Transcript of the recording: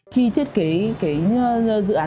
khi thiết kế cái dự án